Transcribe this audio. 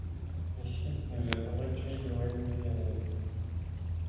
Mais si, nous avons réduit l’ONDAM